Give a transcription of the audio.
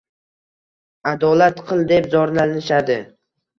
«adolat qil» deb zorlanishadi.